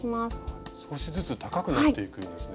少しずつ高くなっていくんですね？